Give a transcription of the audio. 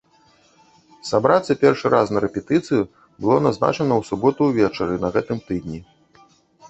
Сабрацца першы раз на рэпетыцыю было назначана ў суботу ўвечары на гэтым тыдні.